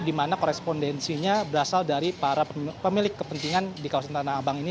di mana korespondensinya berasal dari para pemilik kepentingan di kawasan tanah abang ini